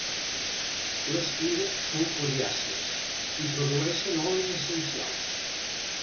Les fulles són coriàcies i produeixen olis essencials.